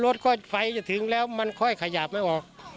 รถก็ไฟจะถึงแล้วมันค่อยขยับไม่ออก